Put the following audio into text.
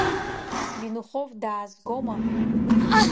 Свинухов даазгома?